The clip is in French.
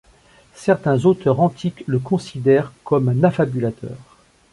Certains auteurs antiques le considèrent comme un affabulateur.